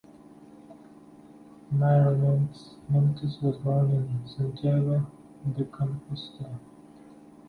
Miramontes was born in Santiago de Compostela.